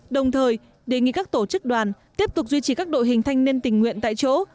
đồng thời đề nghị các tổ chức đoàn tiếp tục duy trì các đội hình thanh niên tình nguyện tại chỗ